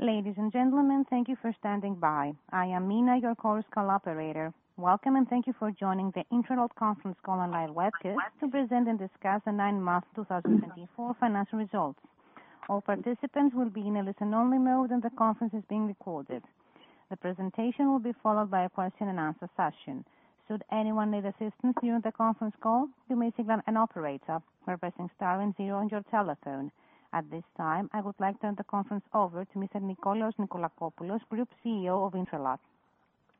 Ladies and gentlemen, thank you for standing by. I am Mina, your call operator. Welcome and thank you for joining the Intralot Conference Call and Live Webcast to present and discuss the nine-month 2024 financial results. All participants will be in a listen-only mode and the conference is being recorded. The presentation will be followed by a question-and-answer session. Should anyone need assistance during the conference call, you may signal the operator by pressing star and zero on your telephone. At this time, I would like to turn the conference over to Mr. Nikolaos Nikolakopoulos, Group CEO of Intralot.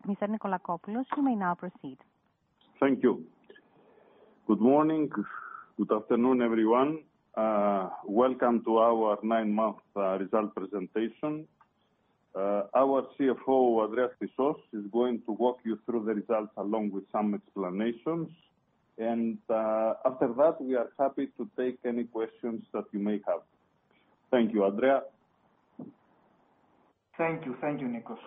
Mr. Nikolakopoulos, you may now proceed. Thank you. Good morning, good afternoon everyone. Welcome to our nine-month result presentation. Our CFO, Andreas Tsoumas, is going to walk you through the results along with some explanations, and after that, we are happy to take any questions that you may have. Thank you, Andreas. Thank you, thank you, Nikolaos.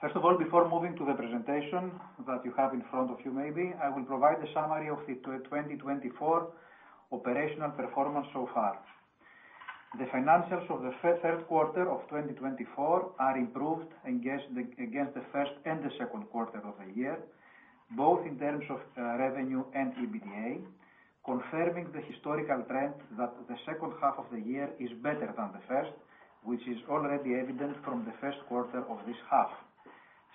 First of all, before moving to the presentation that you have in front of you maybe, I will provide a summary of the 2024 operational performance so far. The financials of the third quarter of 2024 are improved against the first and the second quarter of the year, both in terms of revenue and EBITDA, confirming the historical trend that the second half of the year is better than the first, which is already evident from the first quarter of this half.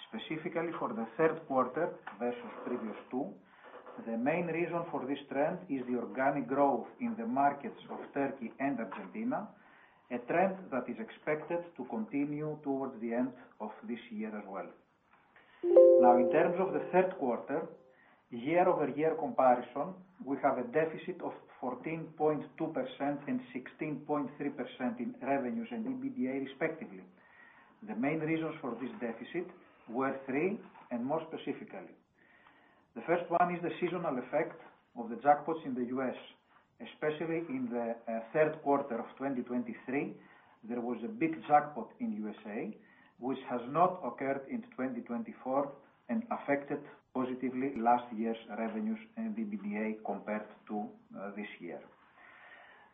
Specifically for the third quarter versus previous two, the main reason for this trend is the organic growth in the markets of Turkey and Argentina, a trend that is expected to continue towards the end of this year as well. Now, in terms of the third quarter, year-over-year comparison, we have a deficit of 14.2% and 16.3% in revenues and EBITDA respectively. The main reasons for this deficit were three, and more specifically. The first one is the seasonal effect of the jackpots in the US. Especially in the third quarter of 2023, there was a big jackpot in the USA, which has not occurred in 2024 and affected positively last year's revenues and EBITDA compared to this year.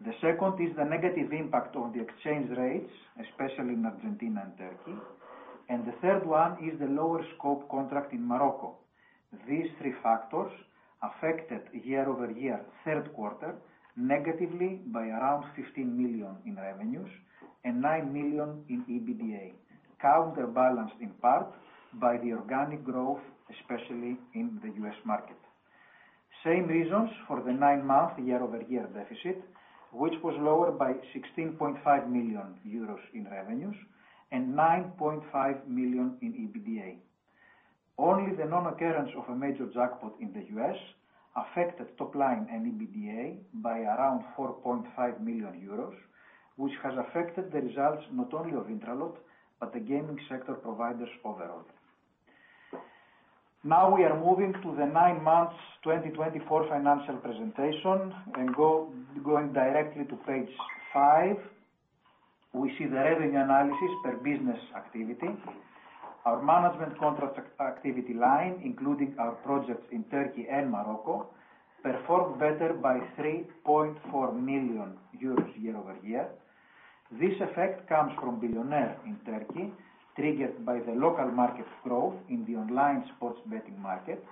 The second is the negative impact on the exchange rates, especially in Argentina and Turkey. The third one is the lower scope contract in Morocco. These three factors affected year-over-year third quarter negatively by around 15 million in revenues and 9 million in EBITDA, counterbalanced in part by the organic growth, especially in the US market. Same reasons for the 9-month year-over-year deficit, which was lower by 16.5 million euros in revenues and 9.5 million in EBITDA. Only the non-occurrence of a major jackpot in the U.S. affected top line and EBITDA by around 4.5 million euros, which has affected the results not only of Intralot but the gaming sector providers overall. Now we are moving to the nine-month 2024 financial presentation and going directly to page five. We see the revenue analysis per business activity. Our management contract activity line, including our projects in Turkey and Morocco, performed better by 3.4 million euros year-over-year. This effect comes from Bilyoner in Turkey, triggered by the local market growth in the online sports betting market,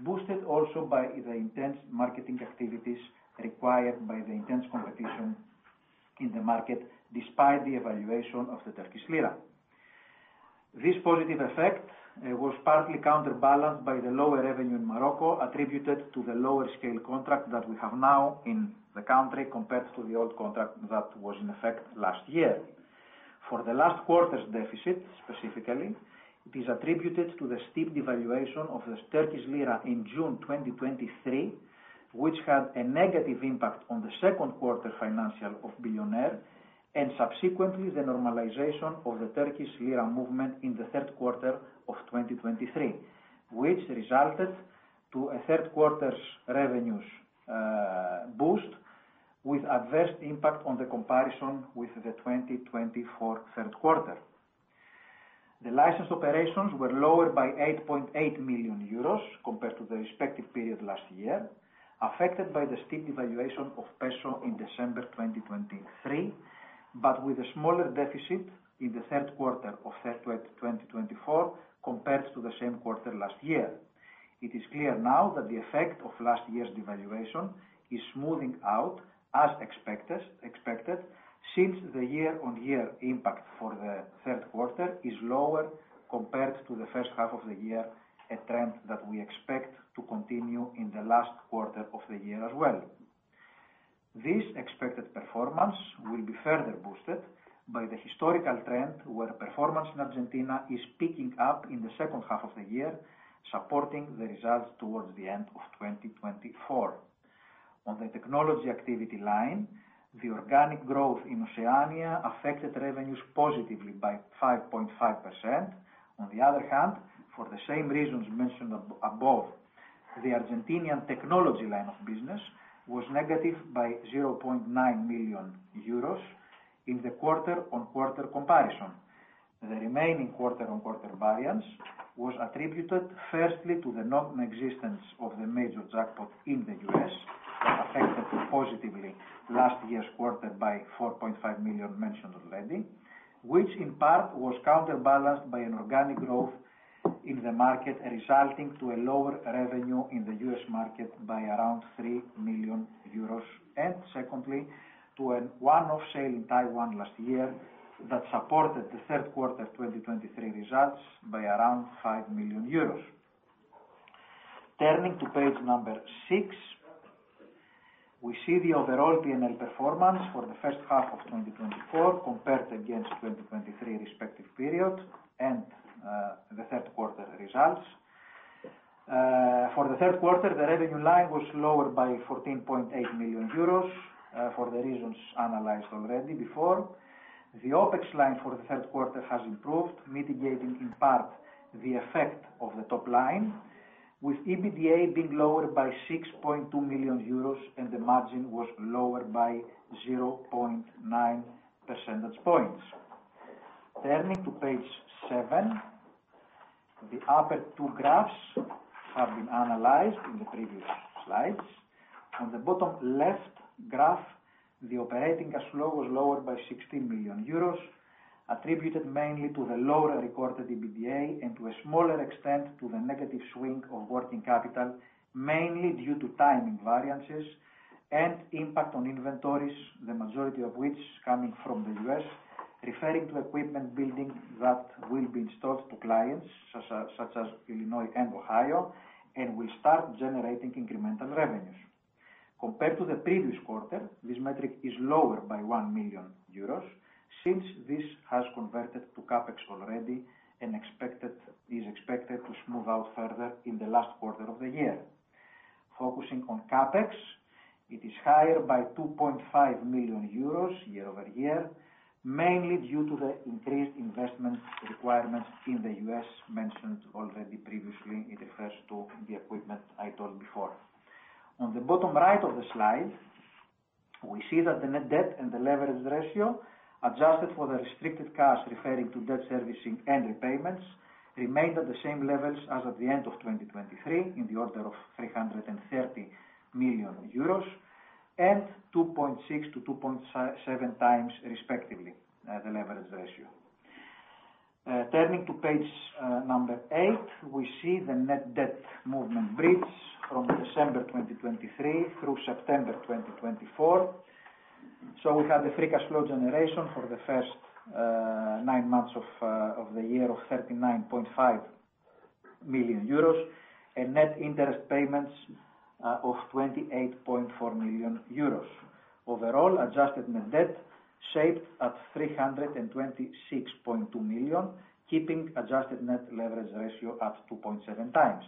boosted also by the intense marketing activities required by the intense competition in the market despite the devaluation of the Turkish lira. This positive effect was partly counterbalanced by the lower revenue in Morocco attributed to the lower scale contract that we have now in the country compared to the old contract that was in effect last year. For the last quarter's deficit, specifically, it is attributed to the steep devaluation of the Turkish lira in June 2023, which had a negative impact on the second quarter financials of Bilyoner and subsequently the normalization of the Turkish lira movement in the third quarter of 2023, which resulted in a third quarter revenues boost with adverse impact on the comparison with the 2024 third quarter. The license operations were lower by 8.8 million euros compared to the respective period last year, affected by the steep devaluation of peso in December 2023, but with a smaller deficit in the third quarter of 2024 compared to the same quarter last year. It is clear now that the effect of last year's devaluation is smoothing out as expected since the year-on-year impact for the third quarter is lower compared to the first half of the year, a trend that we expect to continue in the last quarter of the year as well. This expected performance will be further boosted by the historical trend where performance in Argentina is picking up in the second half of the year, supporting the results towards the end of 2024. On the technology activity line, the organic growth in Oceania affected revenues positively by 5.5%. On the other hand, for the same reasons mentioned above, the Argentinian technology line of business was negative by 0.9 million euros in the quarter-on-quarter comparison. The remaining quarter-on-quarter variance was attributed firstly to the non-existence of the major jackpot in the U.S., affected positively last year's quarter by 4.5 million mentioned already, which in part was counterbalanced by an organic growth in the market resulting in a lower revenue in the U.S. market by around 3 million euros, and secondly to a one-off sale in Taiwan last year that supported the third quarter 2023 results by around 5 million euros. Turning to page number six, we see the overall P&L performance for the first half of 2024 compared against 2023 respective period and the third quarter results. For the third quarter, the revenue line was lower by 14.8 million euros for the reasons analyzed already before. The OPEX line for the third quarter has improved, mitigating in part the effect of the top line, with EBITDA being lower by 6.2 million euros and the margin was lower by 0.9 percentage points. Turning to page seven, the upper two graphs have been analyzed in the previous slides. On the bottom left graph, the operating cash flow was lower by 16 million euros, attributed mainly to the lower recorded EBITDA and to a smaller extent to the negative swing of working capital, mainly due to timing variances and impact on inventories, the majority of which coming from the U.S., referring to equipment building that will be installed to clients such as Illinois and Ohio and will start generating incremental revenues. Compared to the previous quarter, this metric is lower by 1 million euros since this has converted to CapEx already and is expected to smooth out further in the last quarter of the year. Focusing on CapEx, it is higher by 2.5 million euros year-over-year, mainly due to the increased investment requirements in the U.S. mentioned already previously. It refers to the equipment I told before. On the bottom right of the slide, we see that the net debt and the leverage ratio adjusted for the restricted cash referring to debt servicing and repayments remained at the same levels as at the end of 2023 in the order of 330 million euros and 2.6-2.7 times respectively, the leverage ratio. Turning to page number eight, we see the net debt movement bridge from December 2023 through September 2024. We had the free cash flow generation for the first nine months of the year of 39.5 million euros and net interest payments of 28.4 million euros. Overall, adjusted net debt shaped at 326.2 million, keeping adjusted net leverage ratio at 2.7 times.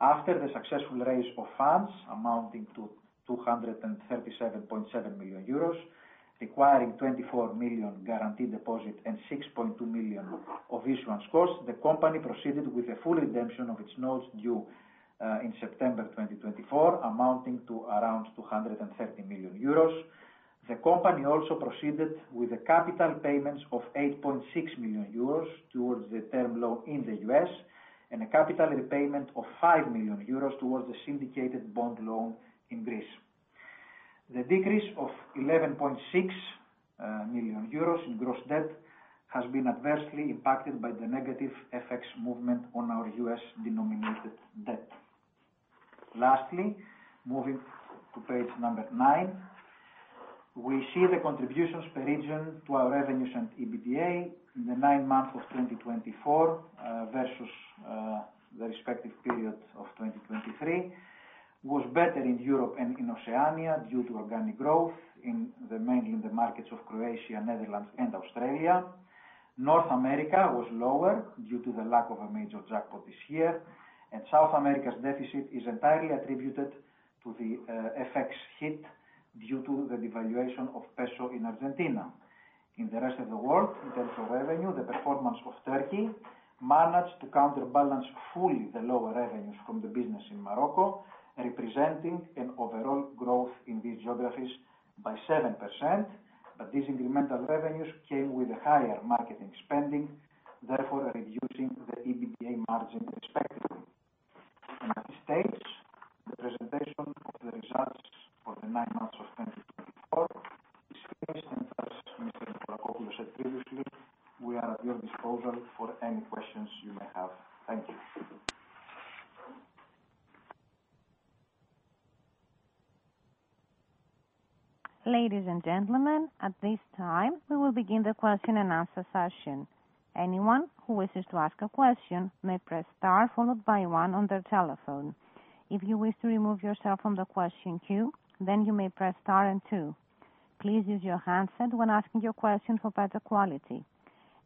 After the successful raise of funds amounting to 237.7 million euros, requiring 24 million guaranteed deposit and 6.2 million of issuance costs, the company proceeded with a full redemption of its notes due in September 2024, amounting to around 230 million euros. The company also proceeded with capital payments of 8.6 million euros towards the term loan in the U.S. and a capital repayment of 5 million euros towards the syndicated bond loan in Greece. The decrease of 11.6 million euros in gross debt has been adversely impacted by the negative FX movement on our U.S. denominated debt. Lastly, moving to page number nine, we see the contributions per region to our revenues and EBITDA in the nine months of 2024 versus the respective period of 2023 was better in Europe and in Oceania due to organic growth mainly in the markets of Croatia, Netherlands, and Australia. North America was lower due to the lack of a major jackpot this year, and South America's deficit is entirely attributed to the FX hit due to the devaluation of peso in Argentina. In the rest of the world, in terms of revenue, the performance of Turkey managed to counterbalance fully the lower revenues from the business in Morocco, representing an overall growth in these geographies by 7%, but these incremental revenues came with a higher marketing spending, therefore reducing the EBITDA margin respectively. At this stage, the presentation of the results for the nine months of 2024 is finished, and as Mr. Nikolakopoulos said previously, we are at your disposal for any questions you may have. Thank you. Ladies and gentlemen, at this time, we will begin the question and answer session. Anyone who wishes to ask a question may press star followed by one on their telephone. If you wish to remove yourself from the question queue, then you may press star and two. Please use your handset when asking your question for better quality.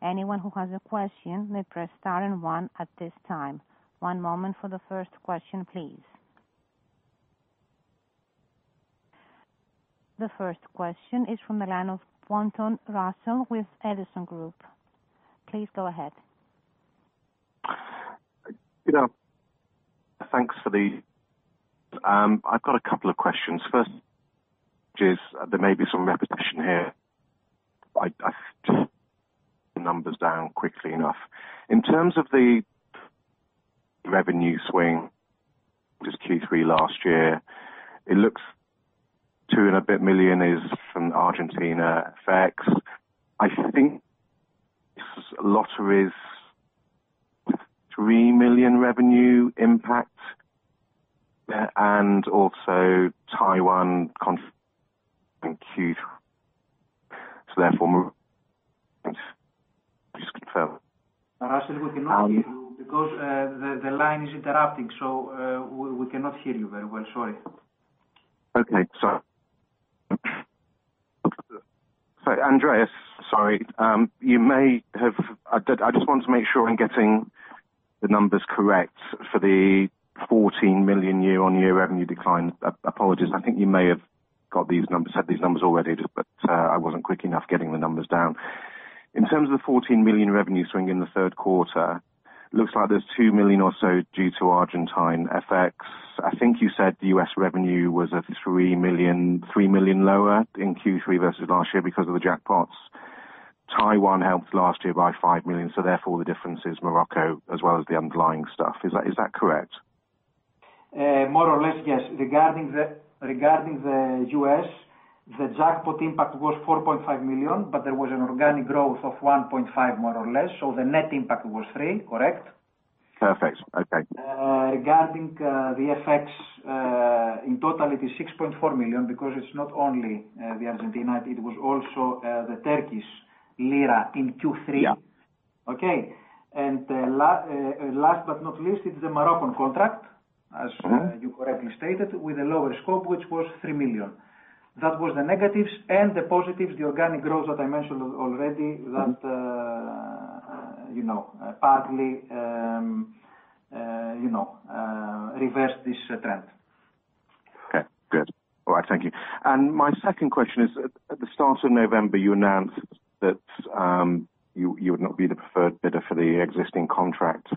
Anyone who has a question may press star and one at this time. One moment for the first question, please. The first question is from the line of Pointon, Russell, with Edison Group. Please go ahead. I've got a couple of questions. First, there may be some repetition here. I just want to write the numbers down quickly enough. In terms of the revenue swing, which is Q3 last year, it looks two and a bit million is from Argentina FX. I think this lottery is three million revenue impact and also Taiwan Q3. So therefore, just confirm. I said we cannot hear you because the line is interrupting, so we cannot hear you very well. Sorry. Okay. So Andreas, sorry, you may have. I just want to make sure I'm getting the numbers correct for the 14 million year-on-year revenue decline. Apologies. I think you may have got these numbers, said these numbers already, but I wasn't quick enough getting the numbers down. In terms of the 14 million revenue swing in the third quarter, it looks like there's 2 million or so due to Argentine FX. I think you said the U.S. revenue was 3 million lower in Q3 versus last year because of the jackpots. Taiwan helped last year by 5 million, so therefore the difference is Morocco as well as the underlying stuff. Is that correct? More or less, yes. Regarding the U.S., the jackpot impact was $4.5 million, but there was an organic growth of $1.5 million more or less, so the net impact was $3 million, correct? Perfect. Okay. Regarding the FX, in total, it is 6.4 million because it's not only the Argentina, it was also the Turkish lira in Q3. Yeah. Okay. And last but not least, it's the Moroccan contract, as you correctly stated, with a lower scope, which was three million. That was the negatives. And the positives, the organic growth that I mentioned already, that partly reversed this trend. Okay. Good. All right. Thank you. And my second question is, at the start of November, you announced that you would not be the preferred bidder for the existing contract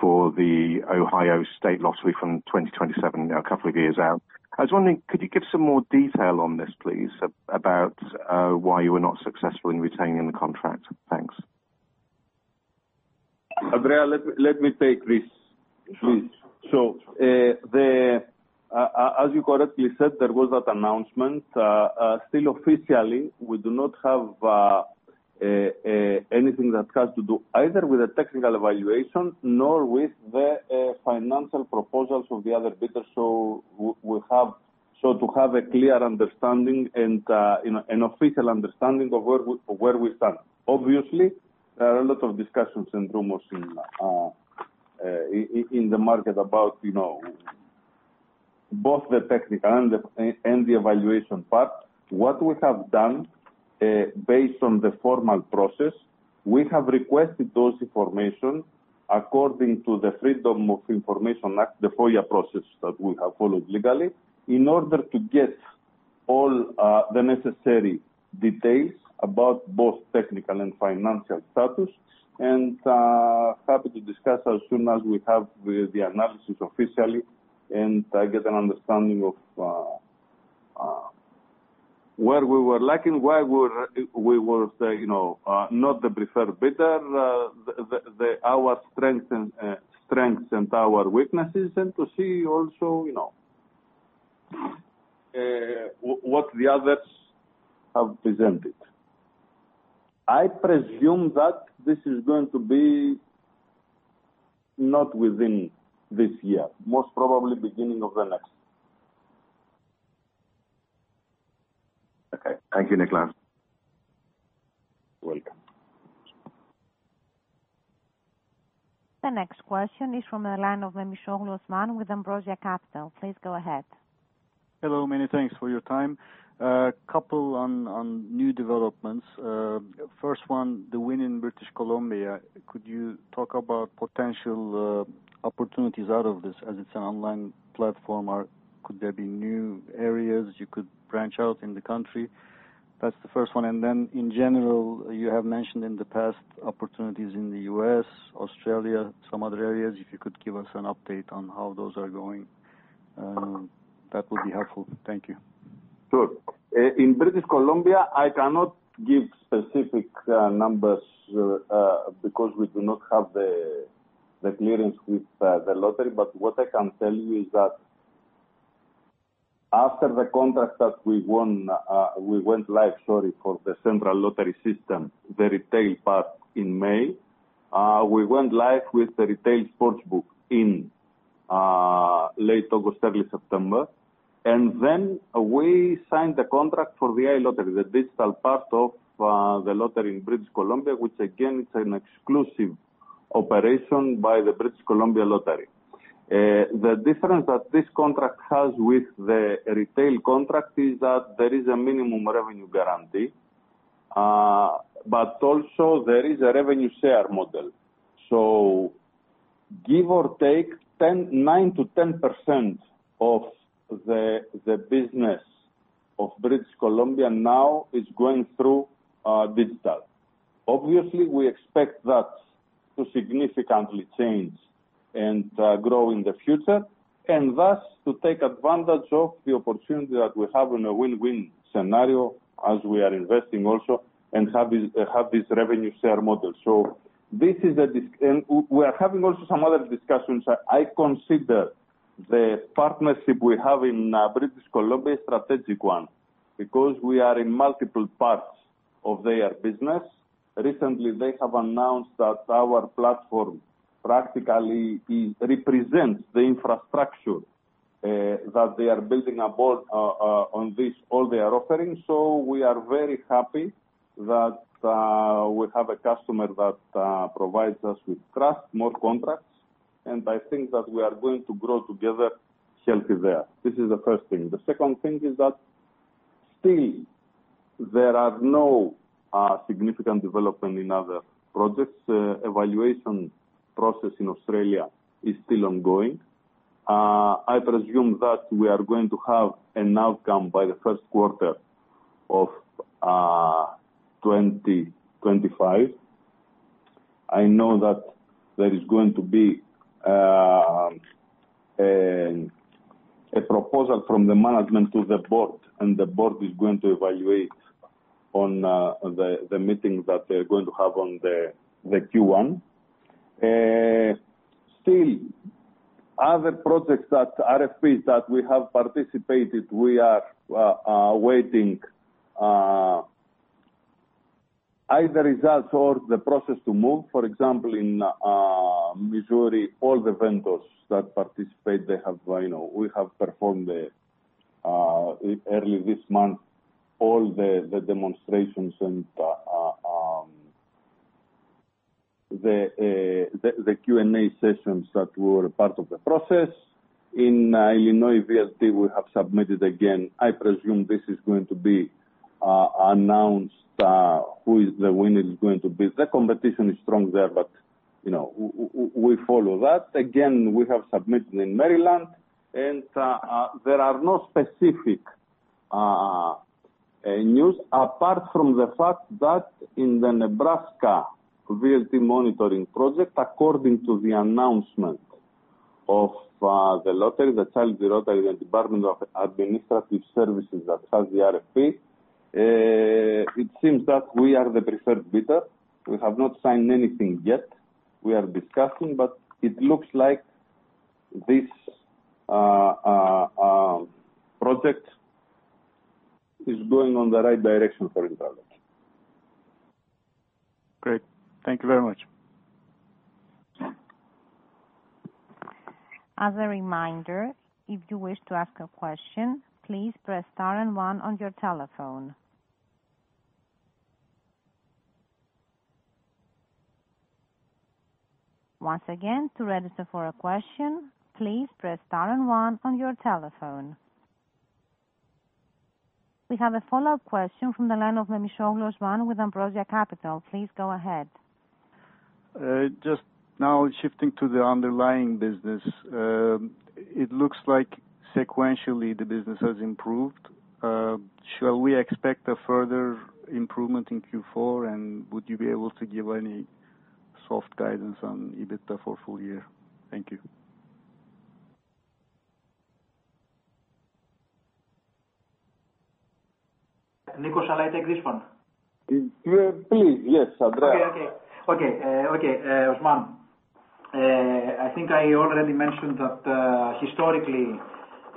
for the Ohio Lottery from 2027, a couple of years out. I was wondering, could you give some more detail on this, please, about why you were not successful in retaining the contract? Thanks. Andreas, let me take this, please. So as you correctly said, there was that announcement. Still, officially, we do not have anything that has to do either with the technical evaluation nor with the financial proposals of the other bidders. So to have a clear understanding and an official understanding of where we stand. Obviously, there are a lot of discussions and rumors in the market about both the technical and the evaluation part. What we have done, based on the formal process, we have requested those information according to the Freedom of Information Act, the FOIA process that we have followed legally, in order to get all the necessary details about both technical and financial status. Happy to discuss as soon as we have the analysis officially and get an understanding of where we were lacking, why we were not the preferred bidder, our strengths and our weaknesses, and to see also what the others have presented. I presume that this is going to be not within this year, most probably beginning of the next. Okay. Thank you, Nikolaos. Welcome. The next question is from the line of Osman Memisoglu with Ambrosia Capital. Please go ahead. Hello. Many thanks for your time. A couple on new developments. First one, the win in British Columbia. Could you talk about potential opportunities out of this as it's an online platform? Could there be new areas you could branch out in the country? That's the first one. And then, in general, you have mentioned in the past opportunities in the U.S., Australia, some other areas. If you could give us an update on how those are going, that would be helpful. Thank you. Sure. In British Columbia, I cannot give specific numbers because we do not have the clearance with the lottery but what I can tell you is that after the contract that we went live, sorry, for the Central Lottery System, the retail part in May, we went live with the retail sports book in late August, early September and then we signed the contract for the iLottery, the digital part of the lottery in British Columbia, which, again, it's an exclusive operation by the British Columbia Lottery. The difference that this contract has with the retail contract is that there is a minimum revenue guarantee, but also there is a revenue share model so give or take 9%-10% of the business of British Columbia now is going through digital. Obviously, we expect that to significantly change and grow in the future, and thus to take advantage of the opportunity that we have in a win-win scenario as we are investing also and have this revenue share model. So this is, and we are having also some other discussions. I consider the partnership we have in British Columbia a strategic one because we are in multiple parts of their business. Recently, they have announced that our platform practically represents the infrastructure that they are building on this, all their offering. So we are very happy that we have a customer that provides us with trust, more contracts. And I think that we are going to grow together healthy there. This is the first thing. The second thing is that still there are no significant developments in other projects. Evaluation process in Australia is still ongoing. I presume that we are going to have an outcome by the first quarter of 2025. I know that there is going to be a proposal from the management to the board, and the board is going to evaluate on the meeting that they're going to have on the Q1. Still, other projects that RFPs that we have participated, we are awaiting either results or the process to move. For example, in Missouri, all the vendors that participate, we have performed early this month all the demonstrations and the Q&A sessions that were part of the process. In Illinois, VLT, we have submitted again. I presume this is going to be announced who the winner is going to be. The competition is strong there, but we follow that. Again, we have submitted in Maryland, and there are no specific news apart from the fact that in the Nebraska VLT monitoring project, according to the announcement of the lottery, the Nebraska Lottery and Department of Administrative Services that has the RFP, it seems that we are the preferred bidder. We have not signed anything yet. We are discussing, but it looks like this project is going in the right direction for Intralot. Great. Thank you very much. As a reminder, if you wish to ask a question, please press star and one on your telephone. Once again, to register for a question, please press star and one on your telephone. We have a follow-up question from the line of Osman Memisoglu with Ambrosia Capital. Please go ahead. Just now shifting to the underlying business. It looks like sequentially the business has improved. Shall we expect a further improvement in Q4, and would you be able to give any soft guidance on EBITDA for full year? Thank you. Nikolaos, shall I take this one? Please, yes, Andreas. Osman, I think I already mentioned that historically,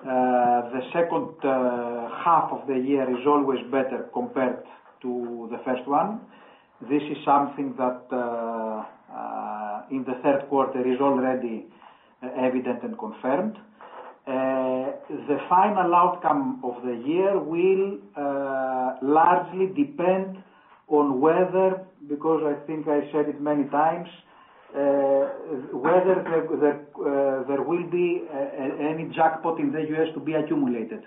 the second half of the year is always better compared to the first one. This is something that in the third quarter is already evident and confirmed. The final outcome of the year will largely depend on whether, because I think I said it many times, whether there will be any jackpot in the U.S. to be accumulated.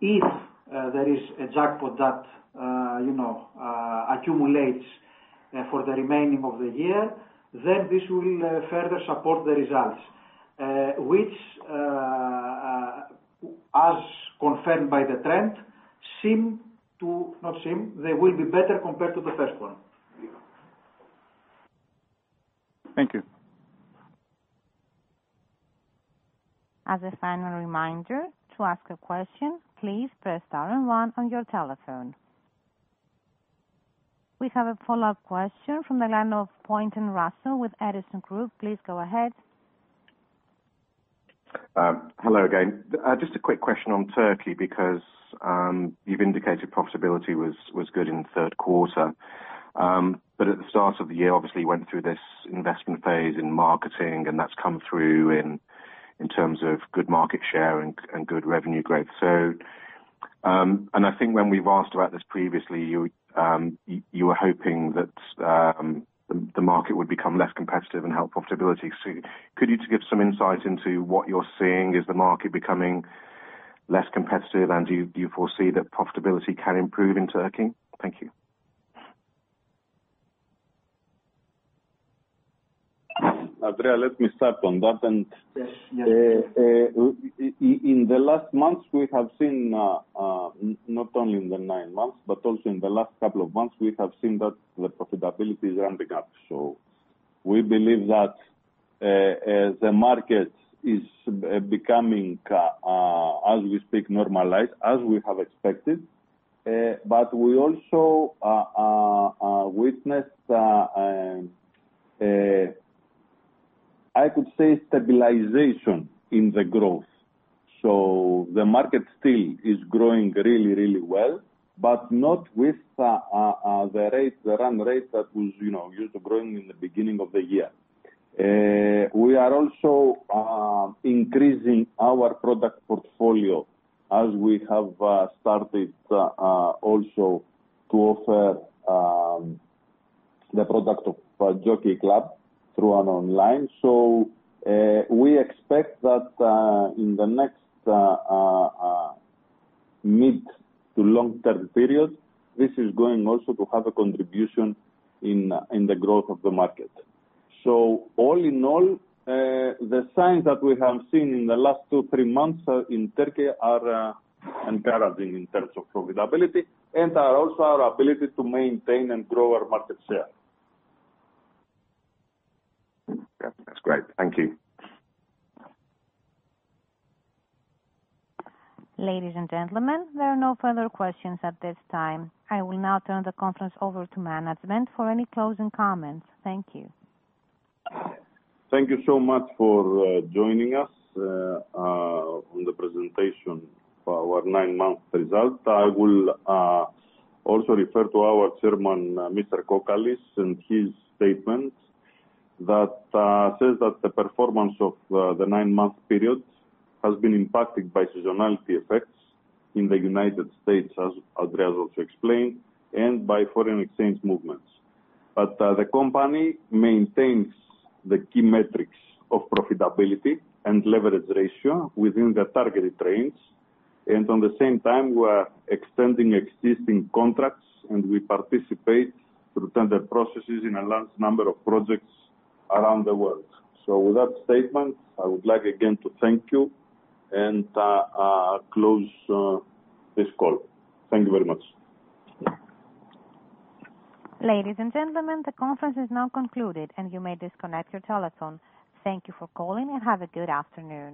If there is a jackpot that accumulates for the remaining of the year, then this will further support the results, which, as confirmed by the trend, seem to—not seem, they will be better compared to the first one. Thank you. As a final reminder to ask a question, please press star and one on your telephone. We have a follow-up question from the line of Russell Pointon with Edison Group. Please go ahead. Hello again. Just a quick question on Turkey because you've indicated profitability was good in the third quarter. But at the start of the year, obviously, you went through this investment phase in marketing, and that's come through in terms of good market share and good revenue growth. And I think when we've asked about this previously, you were hoping that the market would become less competitive and help profitability. So could you give some insight into what you're seeing? Is the market becoming less competitive, and do you foresee that profitability can improve in Turkey? Thank you. Andreas, let me start on that. And in the last months, we have seen, not only in the nine months, but also in the last couple of months, we have seen that the profitability is ramping up. So we believe that the market is becoming, as we speak, normalized, as we have expected. But we also witnessed, I could say, stabilization in the growth. So the market still is growing really, really well, but not with the run rate that was used to growing in the beginning of the year. We are also increasing our product portfolio as we have started also to offer the product of Jockey Club through an online. So we expect that in the next mid- to long-term period, this is going also to have a contribution in the growth of the market. So all in all, the signs that we have seen in the last two, three months in Turkey are encouraging in terms of profitability and are also our ability to maintain and grow our market share. That's great. Thank you. Ladies and gentlemen, there are no further questions at this time. I will now turn the conference over to management for any closing comments. Thank you. Thank you so much for joining us on the presentation for our nine-month result. I will also refer to our chairman, Mr. Kokkalis, and his statement that says that the performance of the nine-month period has been impacted by seasonality effects in the United States, as Andreas also explained, and by foreign exchange movements. But the company maintains the key metrics of profitability and leverage ratio within the targeted range. And at the same time, we are extending existing contracts, and we participate through tender processes in a large number of projects around the world. So with that statement, I would like again to thank you and close this call. Thank you very much. Ladies and gentlemen, the conference is now concluded, and you may disconnect your telephone. Thank you for calling, and have a good afternoon.